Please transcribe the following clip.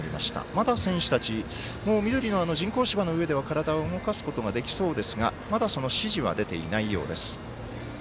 まだ選手たち、緑の人工芝の上では体を動かすことができそうですがまだ、その指示は出ていないようです。